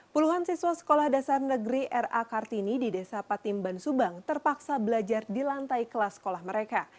puluhan siswa sekolah dasar negeri r a kartini di desa patimban subang terpaksa belajar di lantai kelas sekolah mereka